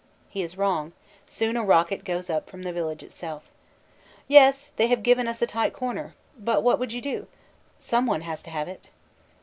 He is wrong; soon a rocket goes up from the village itself. "Yes, they have given us a tight corner; but what would you? some one has to have it."